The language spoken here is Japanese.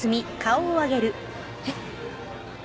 えっ？